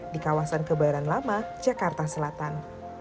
di kawasan kebayoran lama jakarta selatan